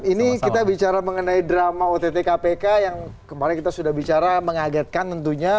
ini kita bicara mengenai drama ott kpk yang kemarin kita sudah bicara mengagetkan tentunya